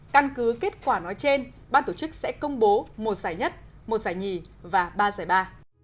căn cứ kết quả nói trên ban tổ chức sẽ công bố một giải nhất một giải nhì và ba giải ba